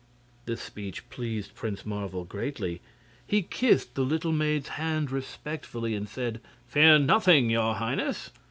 This speech pleased Prince Marvel greatly. He kissed the little maid's hand respectfully and said: "Fear nothing, your Highness.